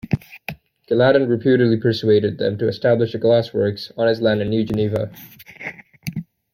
Gallatin reputedly persuaded them to establish a glassworks on his land in New Geneva.